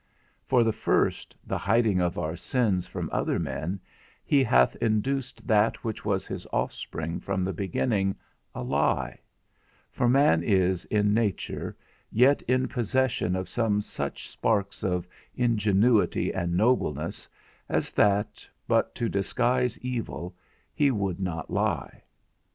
For the first, the hiding of our sins from other men, he hath induced that which was his offspring from the beginning, a lie; for man is, in nature, yet in possession of some such sparks of ingenuity and nobleness, as that, but to disguise evil, he would not lie.